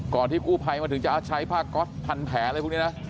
ก่อนที่กู้ไพมาถึงจะใช้ผ้าก๊อตพันแผลเลยพวกนี้นะ